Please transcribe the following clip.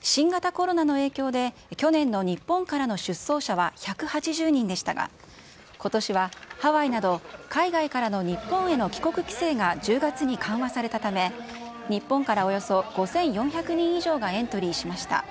新型コロナの影響で、去年の日本からの出走者は１８０人でしたが、ことしはハワイなど、海外からの日本への帰国規制が１０月に緩和されたため、日本からおよそ５４００人以上がエントリーしました。